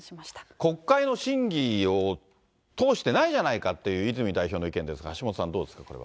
国会の審議を通してないじゃないかっていう泉代表の意見ですが、橋下さん、どうですか、これは。